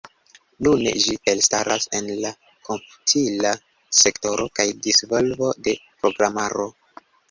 Nune, ĝi elstaras en la komputila sektoro kaj disvolvo de programaro.